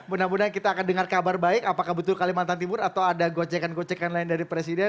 mudah mudahan kita akan dengar kabar baik apakah betul kalimantan timur atau ada gocekan gocekan lain dari presiden